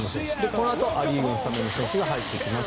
このあとア・リーグのスタメンの選手が入ってきます。